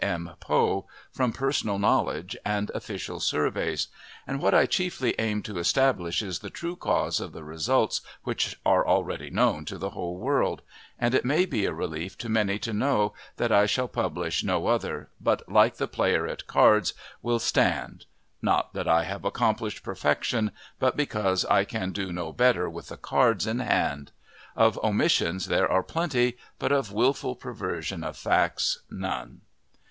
M. Poe, from personal knowledge and official surveys, and what I chiefly aim to establish is the true cause of the results which are already known to the whole world; and it may be a relief to many to know that I shall publish no other, but, like the player at cards, will "stand;" not that I have accomplished perfection, but because I can do no better with the cards in hand. Of omissions there are plenty, but of wilful perversion of facts, none.